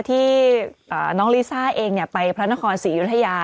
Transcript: ที่น้องลิซ่าเองไปพระนครศรีอยุธยา